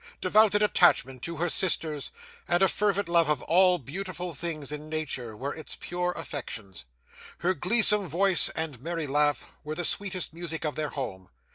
Devoted attachment to her sisters, and a fervent love of all beautiful things in nature, were its pure affections. Her gleesome voice and merry laugh were the sweetest music of their home.